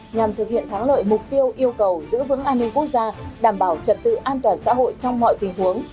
nhằm thực hiện thắng lợi mục tiêu yêu cầu giữ vững an ninh quốc gia đảm bảo trật tự an toàn xã hội trong mọi tình huống